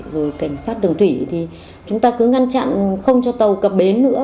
rồi cảnh sát đường thủy thì chúng ta cứ ngăn chặn không cho tàu cập bến nữa